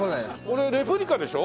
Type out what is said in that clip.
これレプリカでしょ？